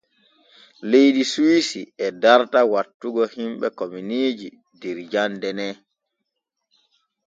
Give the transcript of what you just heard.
Leydi Suwisi e darta wattugo himɓe kominiiji der jande ne.